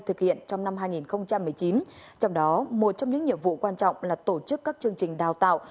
thực hiện trong năm hai nghìn một mươi chín trong đó một trong những nhiệm vụ quan trọng là tổ chức các chương trình đào tạo